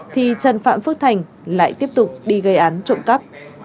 thì trần phạm phước thành lại tiếp tục đi gây án trộm cắp